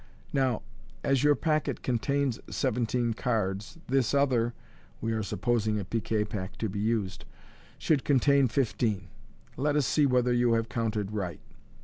Now, as your packet contains seventeen cards, this other " (we are supposing a piquet pack to be used) " should contain fifteen. Let us see whether you have counted right."